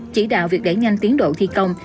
chỉ đạo việc gãy nhanh tiến độ thi công